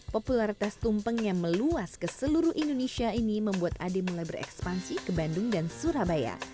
popularitas tumpeng yang meluas ke seluruh indonesia ini membuat ade mulai berekspansi ke bandung dan surabaya